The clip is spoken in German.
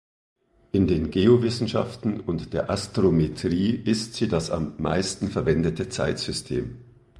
In den Geowissenschaften und der Astrometrie ist sie das am meisten verwendete Zeitsystem.